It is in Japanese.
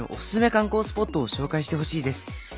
観光スポットを紹介してほしいです」。